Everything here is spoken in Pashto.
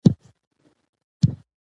ککړتیا د ډېرو ناروغیو سبب ګرځي.